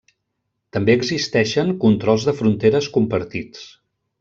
També existeixen controls de fronteres compartits.